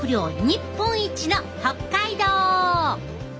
日本一の北海道！